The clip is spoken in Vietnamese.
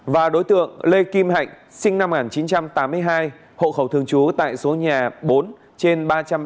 và đối tượng lê kim hạnh sinh năm một nghìn chín trăm tám mươi hai hộ khẩu thường trú tại số nhà bốn trên ba trăm ba mươi